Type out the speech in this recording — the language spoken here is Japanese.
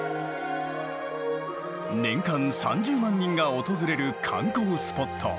年間３０万人が訪れる観光スポット。